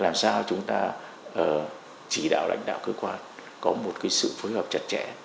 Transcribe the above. làm sao chúng ta chỉ đạo lãnh đạo cơ quan có một sự phối hợp chặt chẽ